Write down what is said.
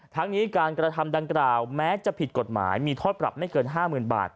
ทั้งนี้การกระทำดังกล่าวแม้จะผิดกฎหมายมีโทษปรับไม่เกิน๕๐๐๐บาท